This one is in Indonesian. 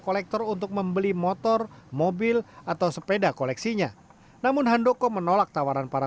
kolektor untuk membeli motor mobil atau sepeda koleksinya namun handoko menolak tawaran para